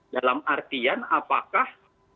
dalam artian apakah